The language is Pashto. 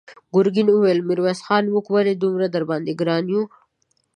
ګرګين وويل: ميرويس خانه! موږ ولې دومره درباندې ګران يو؟